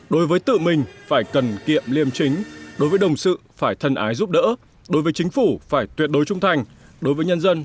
đối với tự mình phải cần kiệm liêm chính đối với đồng sự phải thân ái giúp đỡ đối với chính phủ phải tuyệt đối trung thành